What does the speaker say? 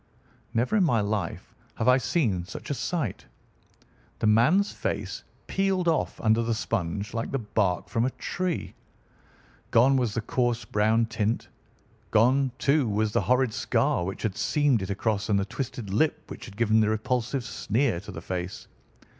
Never in my life have I seen such a sight. The man's face peeled off under the sponge like the bark from a tree. Gone was the coarse brown tint! Gone, too, was the horrid scar which had seamed it across, and the twisted lip which had given the repulsive sneer to the face!